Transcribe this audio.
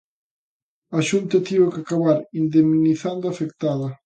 A Xunta tivo que acabar indemnizando á afectada.